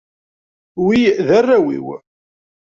Wi d arraw-iw.